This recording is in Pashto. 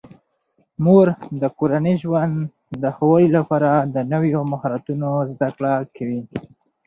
مور د کورني ژوند د ښه والي لپاره د نویو مهارتونو زده کړه کوي.